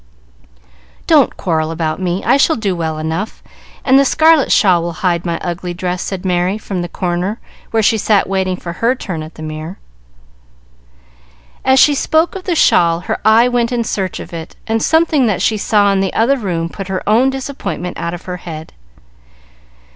"Don't quarrel about me. I shall do well enough, and the scarlet shawl will hide my ugly dress," said Merry, from the corner, where she sat waiting for her turn at the mirror. As she spoke of the shawl her eye went in search of it, and something that she saw in the other room put her own disappointment out of her head.